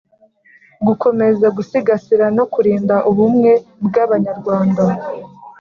Gukomeza gusigasira no kurinda ubumwe bw abanyarwanda